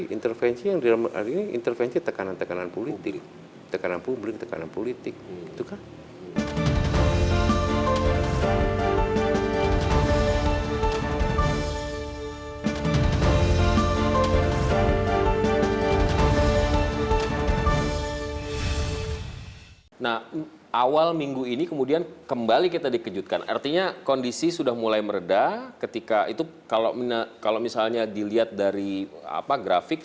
intervensi intervensi yang di dalam ini intervensi tekanan tekanan politik